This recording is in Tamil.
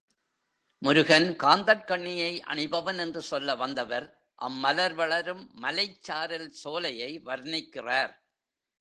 முருகன் காந்தட் கண்ணியை அணிபவன் என்று சொல்ல வந்தவர், அம் மலர் வளரும் மலைச் சாரல் சோலையை வர்ணிக்கிறார்.